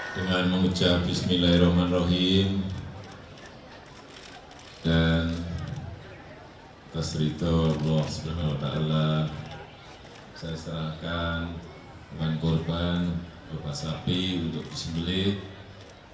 dengan mengucap bismillahirrahmanirrahim dan terseritur allah swt saya serahkan dengan korban bapak sapi untuk bismillahirrahmanirrahim